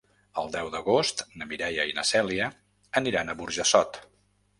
El deu d'agost na Mireia i na Cèlia aniran a Burjassot.